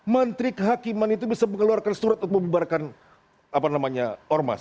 menteri kehakiman itu bisa mengeluarkan surat untuk membubarkan ormas